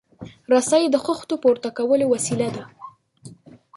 رسۍ د خښتو پورته کولو وسیله ده.